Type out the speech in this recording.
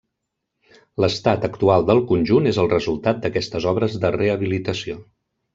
L'estat actual del conjunt és el resultat d'aquestes obres de rehabilitació.